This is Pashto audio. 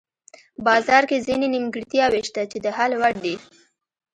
بازار کې ځینې نیمګړتیاوې شته چې د حل وړ دي.